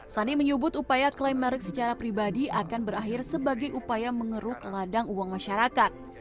sani menyebut upaya klaim merek secara pribadi akan berakhir sebagai upaya mengeruk ladang uang masyarakat